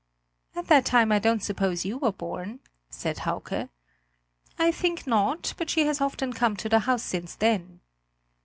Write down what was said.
"At that time I don't suppose you were born?" said Hauke. "I think not; but she has often come to the house since then."